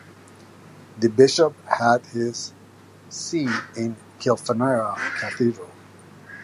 The bishop had his see in Kilfenora Cathedral.